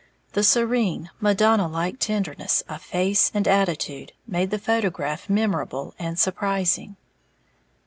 The serene, Madonna like tenderness of face and attitude made the photograph memorable and surprising.